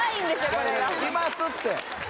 これが来ますって！